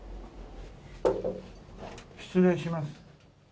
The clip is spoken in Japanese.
失礼します。